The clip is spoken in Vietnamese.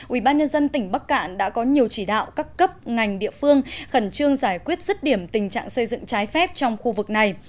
ubnd tỉnh bắc cạn đã có nhiều chỉ đạo các cấp ngành địa phương khẩn trương giải quyết rứt điểm tình trạng xây dựng trái phép trong khu vực này